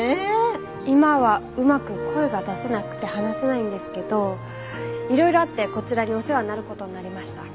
今はうまく声が出せなくて話せないんですけどいろいろあってこちらにお世話になることになりました。